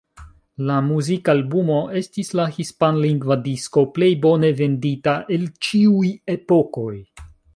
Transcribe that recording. La muzikalbumo estis la hispanlingva disko plej bone vendita el ĉiuj epokoj.